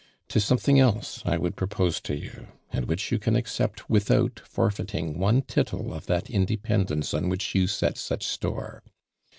'Tis something else 1 would propose to you, and which you can accept without forfeiting one tittle of that independence on which you set such store.